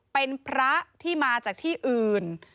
เป็นพระที่มาจากที่อื่น